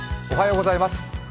おはようございます。